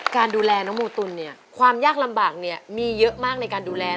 การดูแลน้องโมตุลเนี่ยความยากลำบากเนี่ยมีเยอะมากในการดูแล